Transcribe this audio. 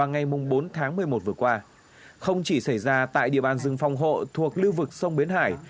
hãy đăng ký kênh để nhận thông tin nhất